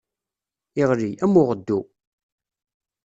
Iɣli, am uɣeddu.